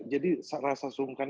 jadi rasa sungkan